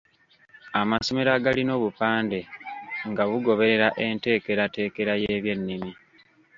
Amasomero agalina obupande nga bugoberera enteekereteekera y’ebyennimi.